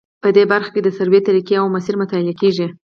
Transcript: په دې برخه کې د سروې طریقې او مسیر مطالعه کیږي